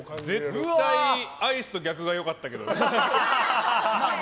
絶対アイスと逆がよかったけどね。